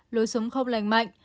lối sống không lành mạnh